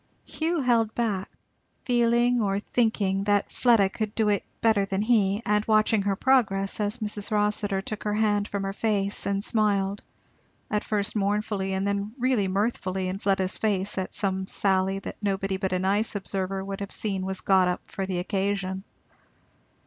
Hugh held back, feeling, or thinking, that Fleda could do it better than he, and watching her progress, as Mrs. Rossitur took her hand from her face, and smiled, at first mournfully and then really mirthfully in Fleda's face, at some sally that nobody but a nice observer would have seen was got up for the occasion.